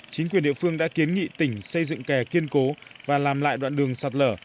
chính quyền địa phương đã kiến nghị tỉnh xây dựng kè kiên cố và làm lại đoạn đường sạt lở